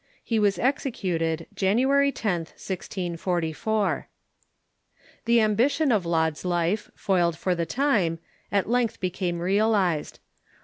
He was executed January 10th, 1644. .,.. i .u The ambition of Laud's life, foiled for the time, at length became realized.